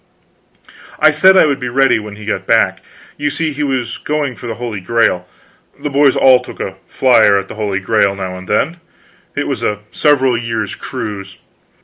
I said I would be ready when he got back. You see, he was going for the Holy Grail. The boys all took a flier at the Holy Grail now and then. It was a several years' cruise.